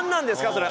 それ」